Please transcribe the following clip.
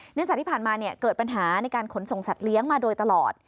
เนื่องจากที่ผ่านมาเกิดปัญหาในการขนส่งสัตว์เลี้ยงมาโดยตลอด